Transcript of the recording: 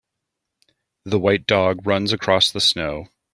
The white dog runs across the snow.